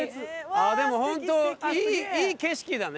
でも本当いい景色だね。